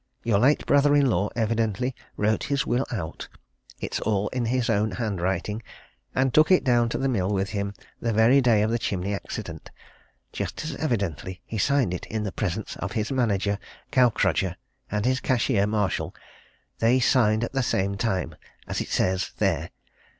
Your late brother in law evidently wrote his will out it's all in his own handwriting and took it down to the Mill with him the very day of the chimney accident. Just as evidently he signed it in the presence of his manager, Gaukrodger, and his cashier, Marshall they signed at the same time, as it says, there.